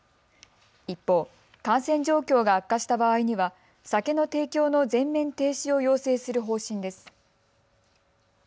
一方、感染状況が悪化した場合には酒の提供の全面停止を要請する方針です。